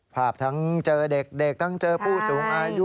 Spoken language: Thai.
ภาพทั้งเจอเด็กทั้งเจอผู้สูงอายุ